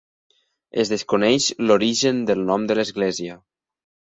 Es desconeix l'origen del nom de l'església.